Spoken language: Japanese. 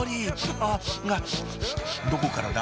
あっどこからだ？